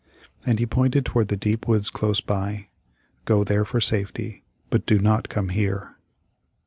And he pointed toward the deep woods close by. "Go there for safety, but do not come here."